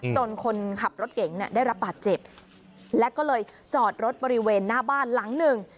คนขับรถเก๋งเนี่ยได้รับบาดเจ็บแล้วก็เลยจอดรถบริเวณหน้าบ้านหลังหนึ่ง